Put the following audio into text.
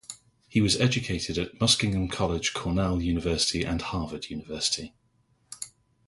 He was educated at Muskingum College, Cornell University, and Harvard University.